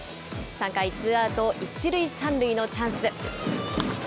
３回、ツーアウト１塁３塁のチャンス。